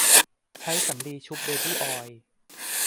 ใช้สำลีชุบเบบี้ออยล์